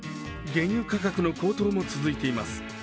原油価格の高騰も続いています。